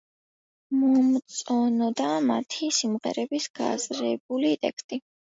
მომწონდა მათი სიმღერების გააზრებული ტექსტი.